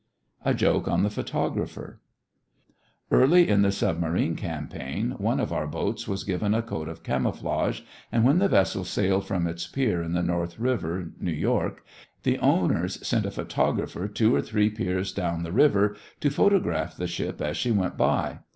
A JOKE ON THE PHOTOGRAPHER Early in the submarine campaign one of our boats was given a coat of camouflage, and when the vessel sailed from its pier in the North River, New York, the owners sent a photographer two or three piers down the river to photograph the ship as she went by.